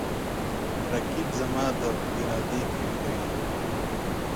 رقیب زما د ارادې قوی کوي